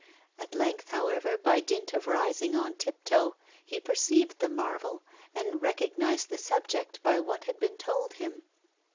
At length, however, by dint of rising on tiptoe, he perceived the marvel, and recognised the subject, by what had been told him.